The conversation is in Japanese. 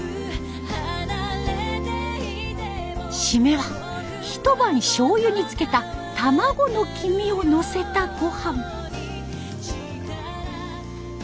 シメは一晩しょうゆにつけた卵の黄身をのせた御飯。